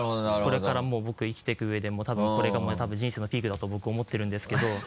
これからもう僕生きていくうえでこれが多分人生のピークだと僕思ってるんですけど。